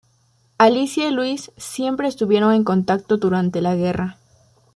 Alicia y Luis siempre estuvieron en contacto durante la guerra.